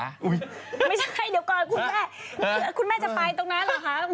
ไม่ใช่เดี๋ยวก่อนคุณแม่คุณแม่จะไปตรงนั้นเหรอคะ